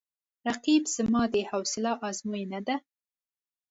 رقیب زما د حوصله آزموینه ده